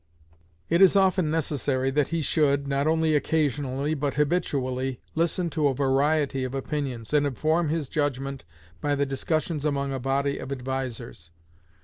It is often necessary that he should, not only occasionally, but habitually, listen to a variety of opinions, and inform his judgment by the discussions among a body of advisers.